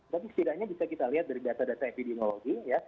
tapi setidaknya bisa kita lihat dari data data epidemiologi